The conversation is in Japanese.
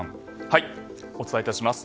お伝えいたします。